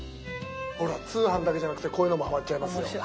ほら通販だけじゃなくてこういうのもはまっちゃいますよ。